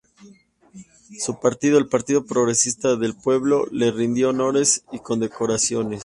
Su partido, el Partido Progresista del Pueblo le rindió honores y condecoraciones.